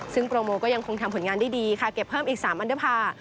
ซึ่งโปรโมก็ยังคงทำผลงานได้ดีค่ะเก็บเพิ่มอีก๓อันเดอร์พาร์